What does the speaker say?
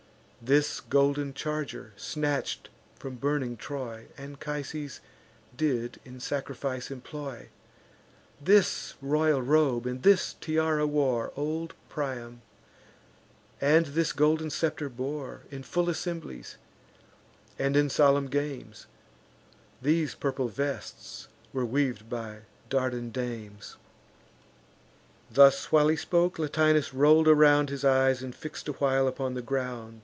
This golden charger, snatch'd from burning Troy, Anchises did in sacrifice employ; This royal robe and this tiara wore Old Priam, and this golden scepter bore In full assemblies, and in solemn games; These purple vests were weav'd by Dardan dames." Thus while he spoke, Latinus roll'd around His eyes, and fix'd a while upon the ground.